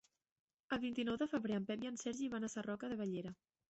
El vint-i-nou de febrer en Pep i en Sergi van a Sarroca de Bellera.